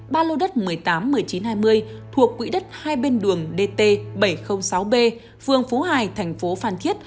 ba lô đất một mươi tám một mươi chín hai mươi thuộc quỹ đất hai bên đường dt bảy trăm linh sáu b phường phú hải thành phố phan thiết